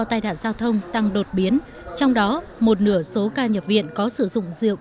tai nạn giao thông tăng đột biến trong đó một nửa số ca nhập viện có sử dụng rượu